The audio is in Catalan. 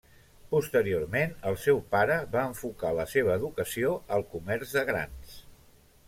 Posteriorment, el seu pare va enfocar la seva educació al comerç de grans.